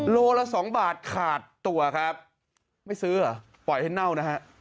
โลละสองบาทขาดตัวครับไม่ซื้อเหรอปล่อยให้เน่านะฮะ